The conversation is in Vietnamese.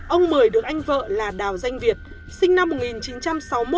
ông mười được anh vợ là đào danh việt sinh năm một nghìn chín trăm sáu mươi một